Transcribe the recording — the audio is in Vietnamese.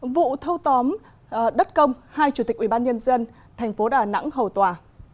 vụ thâu tóm đất công hai chủ tịch ubnd tp đà nẵng hầu tòa